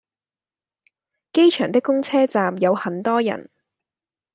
機場的公車站有很多人